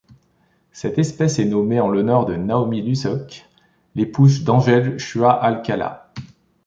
Cette espèce est nommée en l'honneur de Naomi Lusoc, l'épouse d'Angel Chua Alcala.